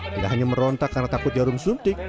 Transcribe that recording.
tidak hanya merontak karena takut jarum suntik